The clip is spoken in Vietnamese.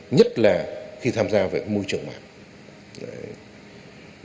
nhất là khi tham gia về môi trường mạng